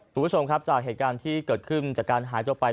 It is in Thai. คุณผู้ชมครับจากเหตุการณ์ที่เกิดขึ้นจากการหายตัวไป